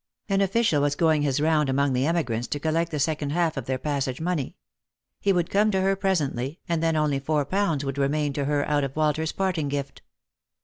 An official was going his round among the emigrants to collect the second half of their passage money. He would come to her presently, and then only four pounds would remain to her out of Walter's parting gift.